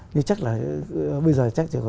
nhưng chắc là bây giờ